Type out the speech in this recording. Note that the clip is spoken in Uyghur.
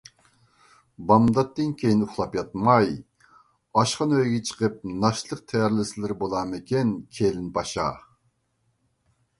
- بامداتتىن كېيىن ئۇخلاپ ياتماي ، ئاشخانا ئۆيگە چىقىپ ناشتىلىق تەييارلىسىلىرى بولامىكى . كىلىن پاشا !